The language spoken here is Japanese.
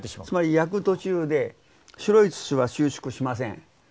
つまり焼く途中で白い土は収縮しません